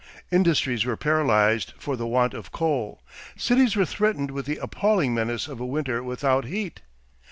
Industries were paralyzed for the want of coal; cities were threatened with the appalling menace of a winter without heat.